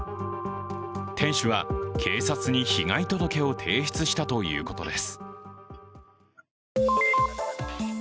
店主は警察に被害届を提出したということです